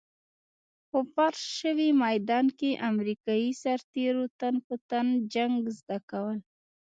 په فرش شوي ميدان کې امريکايي سرتېرو تن په تن جنګ زده کول.